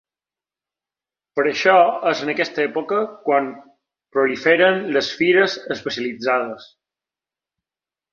Per això és en aquesta època quan proliferen les fires especialitzades.